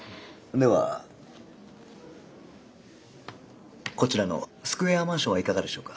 ではこちらのスクエアマンションはいかがでしょうか。